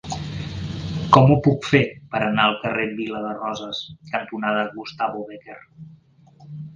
Com ho puc fer per anar al carrer Vila de Roses cantonada Gustavo Bécquer?